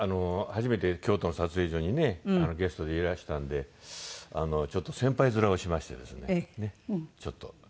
初めて京都の撮影所にねゲストでいらしたんでちょっと先輩面をしましてですねちょっと。